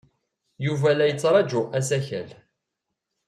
Yuba la yettṛaju asakal.